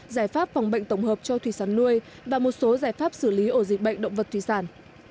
giải pháp phòng bệnh tổng hợp cho thủy sản nuôi và một số giải pháp xử lý ổ dịch bệnh động vật thủy sản